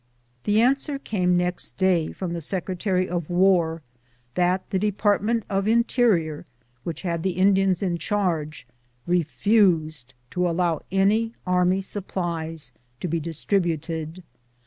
The answer came next day from the Secretary of War that the Department of the Interior which had the In dians in charge refused to allow any army supplies to be distributed.